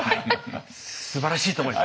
すばらしいと思います！